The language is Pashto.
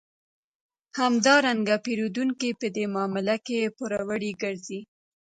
همدارنګه پېرودونکی په دې معامله کې پوروړی ګرځي